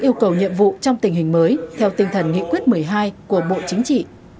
và nhiệm vụ trong tình hình mới theo tinh thần nghị quyết một mươi hai của bộ chính trị